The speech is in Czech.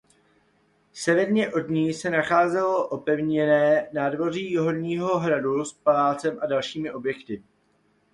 Severně od ní se nacházelo opevněné nádvoří horního hradu s palácem a dalšími objekty.